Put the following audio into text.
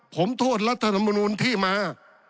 ผมโทษรัฐธรรมนูลที่มา